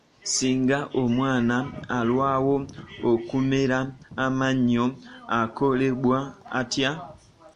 Singa omwana alwawo okumera amannyo akolebwa atya?